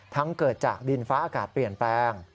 เกิดจากดินฟ้าอากาศเปลี่ยนแปลง